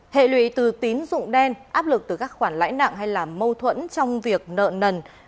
hệ lụy từ tín dụng đen áp lực từ các khoản lãi nặng hay là mâu thuẫn trong việc nợ nần